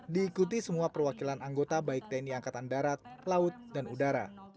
diikuti semua perwakilan anggota baik tni angkatan darat laut dan udara